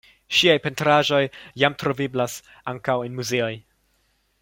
Ŝiaj pentraĵoj jam troveblas ankaŭ en muzeoj.